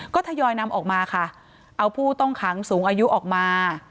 ก็ทยอยนำออกมาค่ะเอาผู้ต้องขังสูงอายุออกมา